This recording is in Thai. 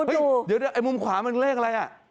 อ่ะดูเดี๋ยวมุมขวามันเลขอะไรอ่ะ